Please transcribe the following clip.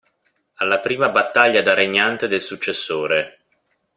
Alla prima battaglia da regnante del successore.